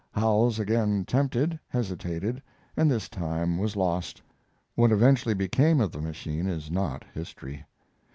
Howells, again tempted, hesitated, and this time was lost. What eventually became of the machine is not history.